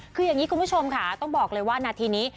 คืออย่างนี้คุณผู้ชมค่ะต้องบอกเลยว่านาทีนี้